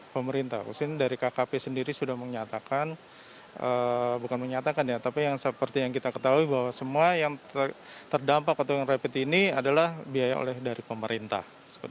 pemerintah khususnya dari kkp sendiri sudah menyatakan bukan menyatakan ya tapi yang seperti yang kita ketahui bahwa semua yang terdampak atau yang rapid ini adalah biaya oleh dari pemerintah